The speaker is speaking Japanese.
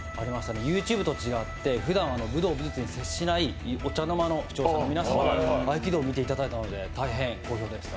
ＹｏｕＴｕｂｅと違ってふだん武道に接しないお茶の間の視聴者の皆様が合気道を見ていただいたので、大変好評でした。